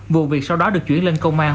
vụ việc sau đó được chuyển lên công an